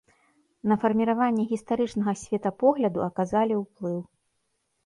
На фарміраванне гістарычнага светапогляду аказалі ўплыў.